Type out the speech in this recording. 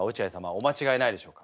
お間違えないでしょうか？